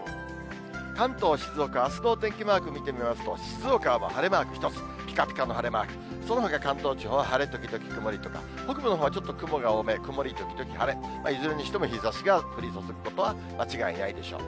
関東、静岡、あすのお天気マーク見てみますと、静岡は晴れマーク１つ、ぴかぴかの晴れマーク、そのほか、関東地方は晴れ時々曇りとか、北部のほうはちょっと雲がね、曇り時々晴れ、いずれにしても日ざしが降り注ぐことは間違いないでしょう。